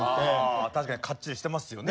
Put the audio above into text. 確かにかっちりしてますよね。